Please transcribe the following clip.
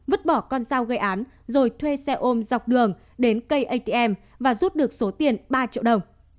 vứt bỏ con dao gây án rồi thuê xe ôm dọc đường đến cây atm và rút được số tiền ba triệu đồng